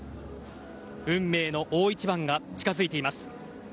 運命の大一番が近づいています。